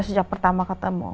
makanya aku mau selamat